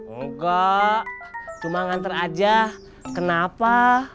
enggak cuma nganter aja kenapa